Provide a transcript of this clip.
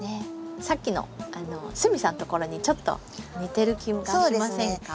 さっきの鷲見さんのところにちょっと似てる気がしませんか？